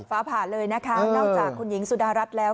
ฟ้าผ่าเลยนะคะนอกจากคุณหญิงสุดารัฐแล้ว